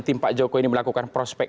tim pak jokowi ini melakukan prospek